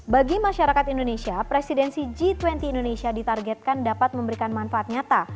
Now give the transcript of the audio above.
bagi masyarakat indonesia presidensi g dua puluh indonesia ditargetkan dapat memberikan manfaat nyata